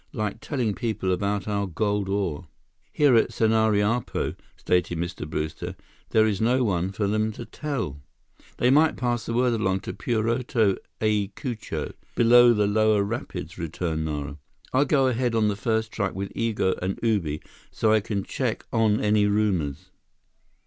Like telling people about our gold ore." "Here at Sanariapo," stated Mr. Brewster, "there is no one for them to tell." "They might pass the word along to Puerto Ayacucho, below the lower rapids," returned Nara. "I'll go ahead on the first truck with Igo and Ubi, so I can check on any rumors."